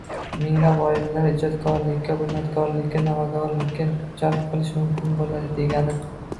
minglab oilalarni ijodkorlikka, bunyodkorlikka, novatorlikka jalb qilish mumkin bo‘ladi degani.